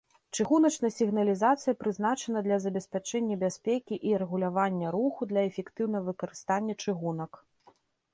Чыгуначная сігналізацыя прызначана для забеспячэння бяспекі і рэгулявання руху для эфектыўнага выкарыстання чыгунак.